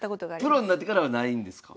プロになってからはないんですか？